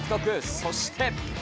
そして。